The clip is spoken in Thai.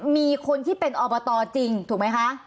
มีคนที่เป็นอบตจริงถูกไหมคะ